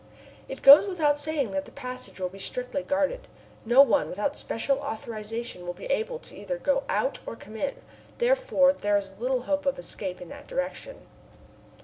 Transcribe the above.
It goes without saying that the passage will be strictly guarded. No one without special authorization will be able either to go out or come in, therefore there is little hope of escape in that direction.